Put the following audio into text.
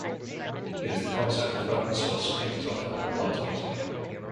It is the concept of "open source" computer software applied to music.